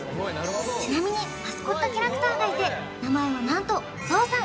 ちなみにマスコットキャラクターがいて名前は何と「ぞうさん」